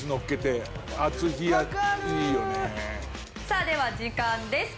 さあでは時間です。